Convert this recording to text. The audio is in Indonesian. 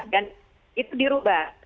dan itu dirubah